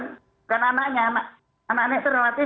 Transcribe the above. bukan anaknya anak anaknya relatif